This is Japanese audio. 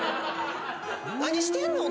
何してんの？